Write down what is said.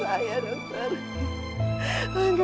amatkan saya dokter